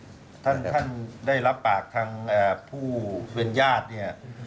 ท่านได้รับปากทางผู้เป็นญาติเนี่ย